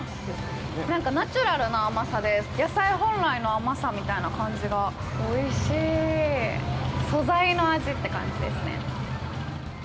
なんかナチュラルな甘さで野菜本来の甘さみたいな感じがおいしい素材の味って感じですね